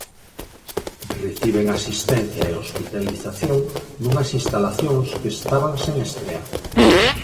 Reciben asistencia e hospitalización nunhas instalacións que estaban sen estrear.